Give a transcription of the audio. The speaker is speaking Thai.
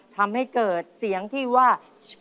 ทำให้เกิดเสียงที่ว่า